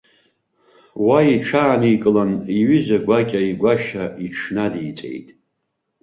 Уа иҽааникылан, иҩыза гәакьа игәашьа иҽнадиҵеит.